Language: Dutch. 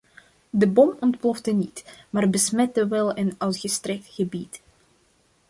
De bom ontplofte niet, maar besmette wel een uitgestrekt gebied.